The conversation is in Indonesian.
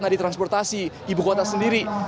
nah ditransportasi ibu kota sendiri